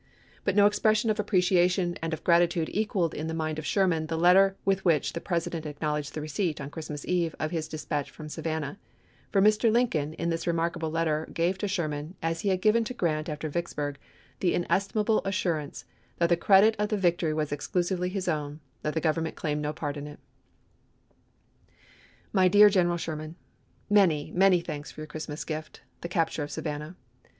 But no expression of appreciation and of gratitude equaled in the mind of Sherman the letter with which the President acknowledged the receipt, on Christmas Eve, of his dispatch from Savannah, for Mr. Lincoln in this re markable letter gave to Sherman, as he had given to Grant after Vicksburg, the inestimable assurance that the credit of the victory was exclusively his own ; that the Government claimed no part in it. " My deae Genekal Sheeman: Many, many thanks for your Christmas gift, the capture of Savannah.